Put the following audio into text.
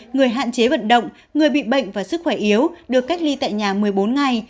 người hạn chế vận động người bị bệnh và sức khỏe yếu được cách ly tại nhà một mươi bốn ngày